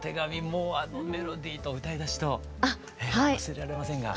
もうあのメロディーと歌いだしと忘れられませんが。